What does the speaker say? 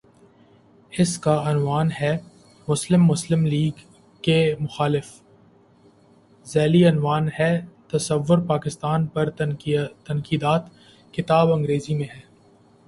اس کا عنوان ہے:"مسلم مسلم لیگ کے مخالف" ذیلی عنوان ہے:"تصورپاکستان پر تنقیدات" کتاب انگریزی میں ہے۔